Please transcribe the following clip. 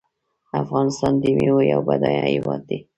افغانستان د میوو یو بډایه هیواد دی.